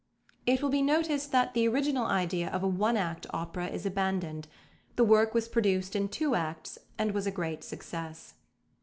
It will be noticed that the original idea of a one act opera is abandoned. The work was produced in two acts, and was a great success.